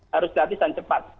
harus gratis dan cepat